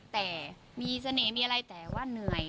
แต่มีเสน่ห์มีอะไรแต่ว่าเหนื่อย